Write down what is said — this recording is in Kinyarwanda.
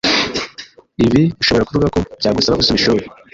Ibi bishobora kuvuga ko byagusaba gusubira ishuri,